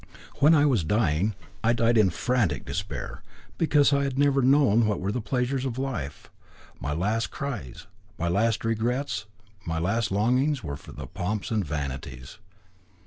When I was dying, I died in frantic despair, because I had never known what were the pleasures of life. My last cries, my last regrets, my last longings were for the pomps and vanities."